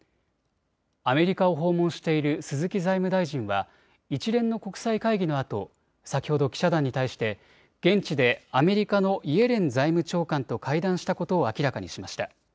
アメリカを訪問している鈴木財務大臣は一連の国際会議のあと先ほど記者団に対して現地でアメリカのイエレン財務長官と会談したことを明らかにしました。